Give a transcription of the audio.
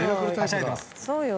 そうだよ。